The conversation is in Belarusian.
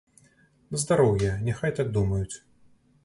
На здароўе, няхай так думаюць.